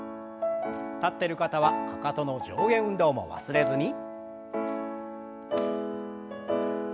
立ってる方はかかとの上下運動も忘れずに。